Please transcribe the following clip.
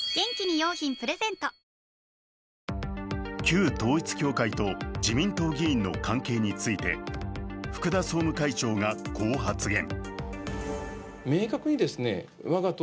旧統一教会と自民党議員の関係について、福田総務会長がこう発言。